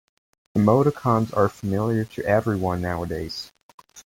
Emoticons are familiar to everyone nowadays.